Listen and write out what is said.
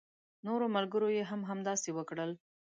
نورو ملګرو يې هم همداسې وکړل.